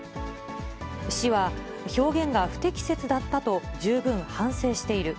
市は、表現が不適切だったと十分反省している。